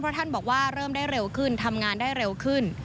ท่านบอกว่าเริ่มได้เร็วขึ้นทำงานได้เร็วขึ้น